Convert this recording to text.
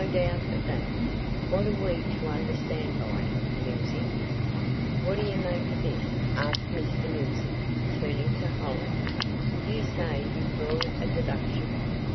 "No doubt of that. What are we to understand by it, Lindsey?" "What do you make of this?" asked Mr. Lindsey, turning to Hollins. "You say you've drawn a deduction?"